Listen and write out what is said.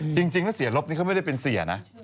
จริงก็เสียลบนี่ก็ไม่ได้เป็นเสียน่ะ